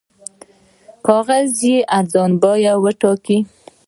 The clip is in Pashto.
کاغذ یې ارزان بیه وټاکئ.